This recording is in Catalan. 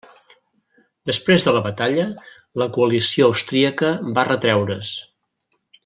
Després de la batalla, la coalició austríaca va de retreure's.